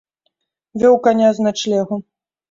Вёў каня з начлегу.